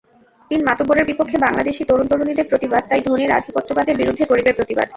তিন মাতব্বরের বিপক্ষে বাংলাদেশি তরুণ-তরুণীদের প্রতিবাদ তাই ধনীর আধিপত্যবাদের বিরুদ্ধে গরিবের প্রতিবাদ।